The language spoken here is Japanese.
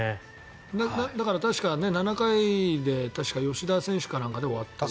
だから、確か７回で吉田選手かなんかで終わって。